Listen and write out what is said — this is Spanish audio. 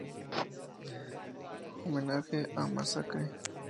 Homenaje a Massacre".